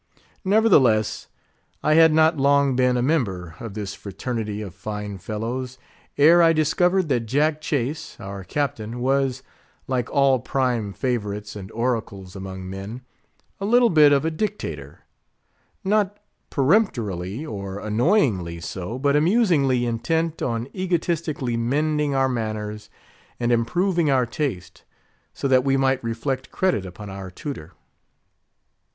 Nevertheless, I had not long been a member of this fraternity of fine fellows, ere I discovered that Jack Chase, our captain was—like all prime favorites and oracles among men—a little bit of a dictator; not peremptorily, or annoyingly so, but amusingly intent on egotistically mending our manners and improving our taste, so that we might reflect credit upon our tutor.